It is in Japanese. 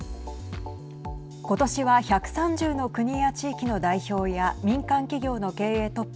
今年は１３０の国や地域の代表や民間企業の経営トップ